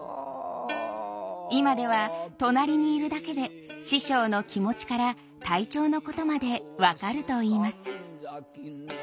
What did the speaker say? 今では隣にいるだけで師匠の気持ちから体調のことまで分かるといいます。